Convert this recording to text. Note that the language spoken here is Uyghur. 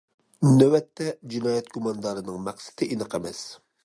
نۆۋەتتە، جىنايەت گۇماندارىنىڭ مەقسىتى ئېنىق ئەمەس.